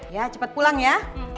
ya cepet pulang ya